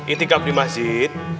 itikaf di masjid